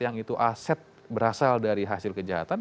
yang itu aset berasal dari hasil kejahatan